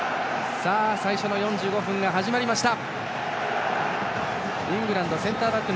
最初の４５分が始まりました。